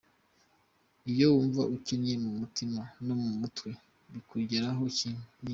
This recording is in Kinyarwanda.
Iyo wumva ukennye mu mutima no mu mutwe bikugeraho nyine.